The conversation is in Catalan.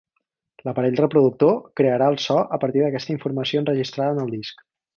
L'aparell reproductor crearà el so a partir d'aquesta informació enregistrada en el disc.